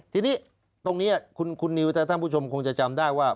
ทีนี้ตรงนี้คุณนิวแต่ท่านผู้ชมคงจะจำได้ว่า